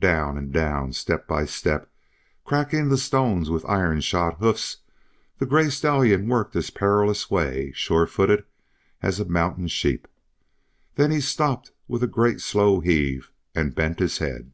Down and down, step by step, cracking the stones with iron shod hoofs, the gray stallion worked his perilous way, sure footed as a mountain sheep. Then he stopped with a great slow heave and bent his head.